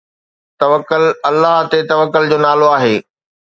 توڪل الله تي توڪل جو نالو آهي